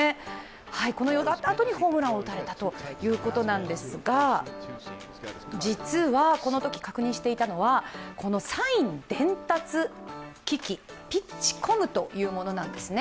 この様子があったあとにホームランを打たれたということなんですが、実は、このとき確認していたのはこのサイン伝達機器、ピッチコムというものなんですね。